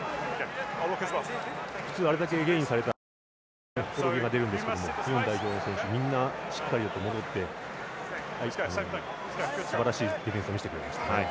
普通あれだけゲインされたらどこかにほころびが出るんですが日本代表の選手みんな、しっかりと戻ってすばらしいディフェンス見せてくれましたね。